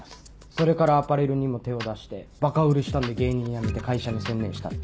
それからアパレルにも手を出してばか売れしたんで芸人辞めて会社に専念したって。